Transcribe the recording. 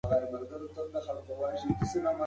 د سولې او ورورولۍ پیغام باید پراخه شي.